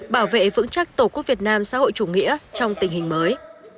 bảo vệ vững chắc tổ quốc việt nam xã hội chủ nghĩa trong tình hình mới